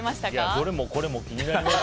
どれもこれも気になります。